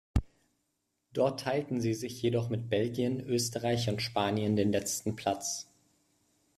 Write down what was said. Dort teilten sie sich jedoch mit Belgien, Österreich und Spanien den letzten Platz.